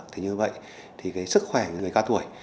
thì như vậy thì cái sức khỏe người cao tuổi